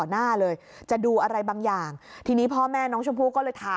นี่มันของกล้องหรือครับ